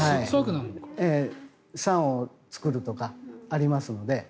酸を作るとかありますので。